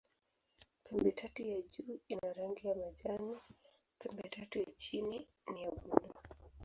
Pembetatu ya juu ina rangi ya majani, pembetatu ya chini ni ya buluu.